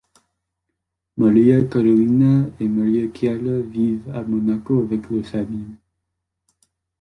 Maria Carolina et Maria Chiara vivent à Monaco avec leur famille.